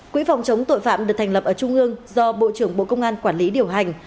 quỹ phòng chống tội phạm được thành lập ở trung ương do bộ trưởng bộ công an quản lý điều hành